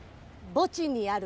墓地にある。